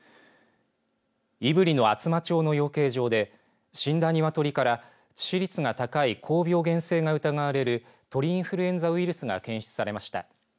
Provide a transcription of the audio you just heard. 胆振の厚真町の養鶏場で死んだ鶏から致死率が高い高病原性が疑われる鳥インフルエンザウイルスが検出されました。